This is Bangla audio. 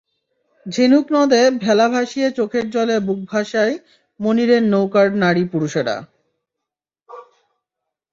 ঝিনুক নদে ভেলা ভাসিয়ে চোখের জলে বুক ভাসায় মনিরের নৌকার নারী-পুরুষেরা।